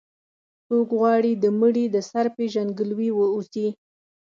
څوک غواړي د مړي د سر پېژندګلوي واوسي.